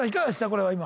これは今。